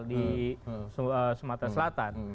di sumatera selatan